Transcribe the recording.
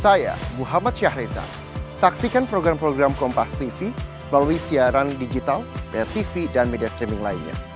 saya muhammad syahrezan saksikan program program kompastv melalui siaran digital btv dan media streaming lainnya